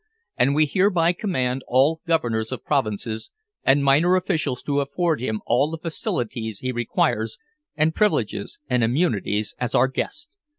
And we hereby command all Governors of Provinces and minor officials to afford him all the facilities he requires and privileges and immunities as Our guest."